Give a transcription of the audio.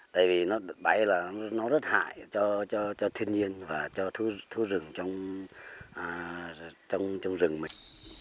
tại vì đặt bẫy là nó rất hại cho thiên nhiên và cho thú rừng trong rừng mình